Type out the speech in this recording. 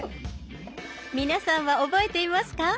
皆さんは覚えていますか？